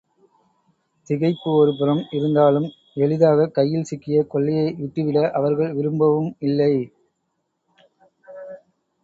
திகைப்பு ஒருபுறம் இருந்தாலும் எளிதாகக் கையில் சிக்கிய கொள்ளையை விட்டுவிட அவர்கள் விரும்பவும் இல்லை.